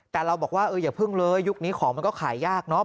แต่เราบอกว่าอย่าเพิ่งเลยยุคนี้ของมันก็ขายยากเนอะ